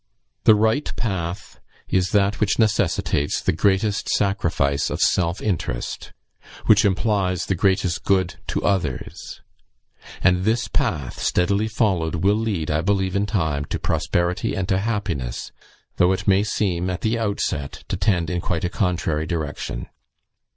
The right path is that which necessitates the greatest sacrifice of self interest which implies the greatest good to others; and this path, steadily followed, will lead, I believe, in time, to prosperity and to happiness, though it may seem, at the outset, to tend quite in a contrary direction.